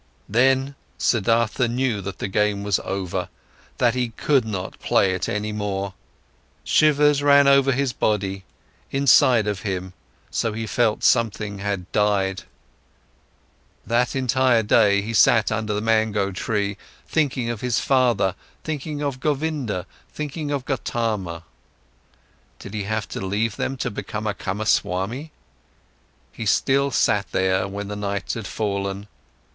Then, Siddhartha knew that the game was over, that he could not play it any more. Shivers ran over his body, inside of him, so he felt, something had died. That entire day, he sat under the mango tree, thinking of his father, thinking of Govinda, thinking of Gotama. Did he have to leave them to become a Kamaswami? He still sat there, when the night had fallen.